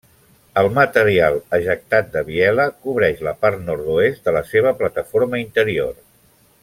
El material ejectat de Biela cobreix la part nord-oest de la seva plataforma interior.